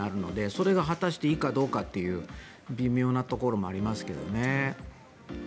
それが果たしていいかどうかという微妙なところもありますけどね。